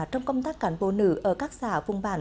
trong công tác cán bộ nữ ở các xã vùng bản